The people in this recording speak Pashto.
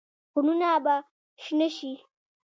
غرونه به شنه شي؟